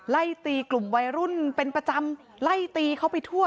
ไล่ตีกลุ่มวัยรุ่นเป็นประจำไล่ตีเขาไปทั่ว